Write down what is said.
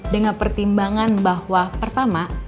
dengan pertimbangan bahwa pertama